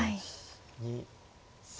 ２３。